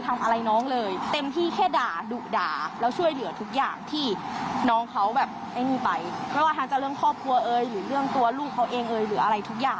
ไม่ว่าทางจากเรื่องครอบครัวหรือเรื่องตัวลูกเขาเองหรืออะไรทุกอย่าง